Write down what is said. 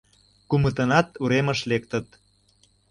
Кумытынат уремыш лектыт.